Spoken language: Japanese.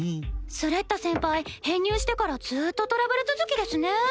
スレッタ先輩編入してからずっとトラブル続きですね。